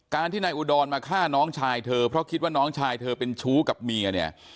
ที่นายอุดรมาฆ่าน้องชายเธอเพราะคิดว่าน้องชายเธอเป็นชู้กับเมียเนี่ย